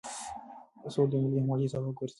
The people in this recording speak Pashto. سوله د ملي همغږۍ سبب ګرځي.